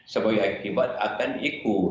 sebagai akibat akan ikut